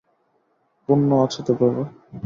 পুণ্য আছে তো প্রভু।